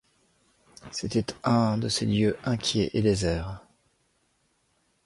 C’était un de. ces lieux inquiets et déserts